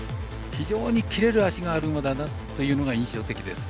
非常に切れる脚がある馬だなというのが印象的です。